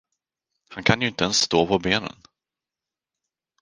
Han kan ju inte ens stå på benen.